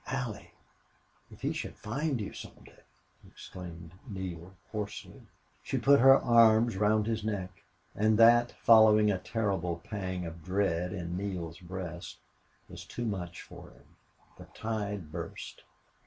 "Allie! If he should find you some day!" exclaimed Neale, hoarsely. She put her arms up round his neck. And that, following a terrible pang of dread in Neale's breast, was too much for him. The tide burst.